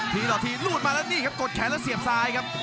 ทีต่อทีรูดมาแล้วนี่ครับกดแขนแล้วเสียบซ้ายครับ